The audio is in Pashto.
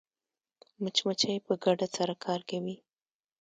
مچمچۍ په ګډه سره کار کوي